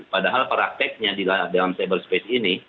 padahal prakteknya di dalam cyber space ini